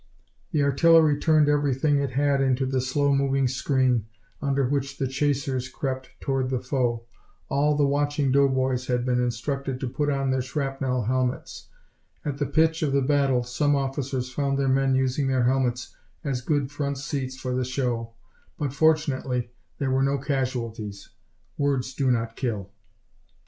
The artillery turned everything it had into the slow moving screen, under which the "chasers" crept toward the foe. All the watching doughboys had been instructed to put on their shrapnel helmets. At the pitch of the battle some officers found their men using their helmets as good front seats for the show, but fortunately there were no casualties. Words do not kill.